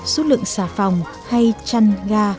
số lượng xà phòng hay chăn ga